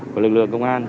của lực lượng công an